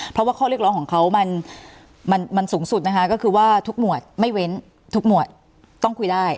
เพราะว่าข้อเรียกร้องของเขามันสูงสุดนะคะก็คือว่าทุกหมวดไม่เว้นทุกหมวดต้องคุยได้